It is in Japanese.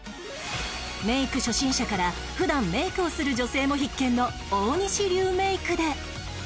メイク初心者から普段メイクをする女性も必見の大西流メイクで